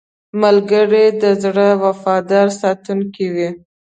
ملګری د زړه وفادار ساتونکی وي